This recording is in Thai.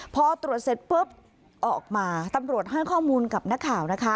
พอตรวจเสร็จปุ๊บออกมาตำรวจให้ข้อมูลกับนักข่าวนะคะ